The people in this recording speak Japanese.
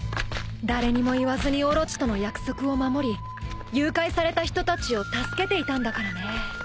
［誰にも言わずにオロチとの約束を守り誘拐された人たちを助けていたんだからね］